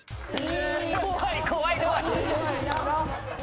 怖い怖い怖い！